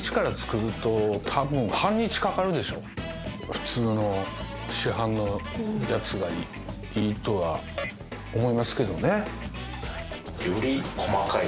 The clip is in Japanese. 普通の市販のやつがいいとは思いますけどね。